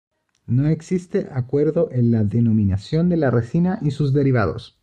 No existe acuerdo en la denominación de la resina y sus derivados.